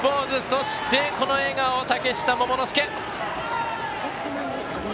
そして、この笑顔、嶽下桃之介！